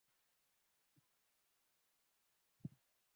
ধন্যবাদ, রাম্যিয়া।